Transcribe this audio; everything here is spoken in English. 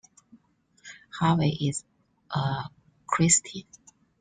Harvey is a Christian.